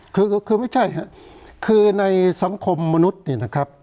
คือก็คือไม่ใช่ฮะคือในสังคมมนุษย์เนี่ยนะครับ